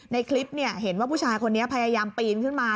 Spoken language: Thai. ในคลิปเห็นว่าผู้ชายคนนี้พยายามปีนขึ้นมา